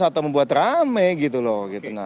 atau membuat rame gitu loh